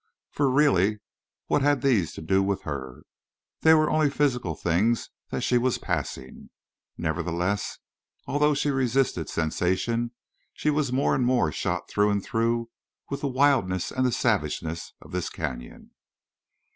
For really, what had these to do with her? These were only physical things that she was passing. Nevertheless, although she resisted sensation, she was more and more shot through and through with the wildness and savageness of this canyon.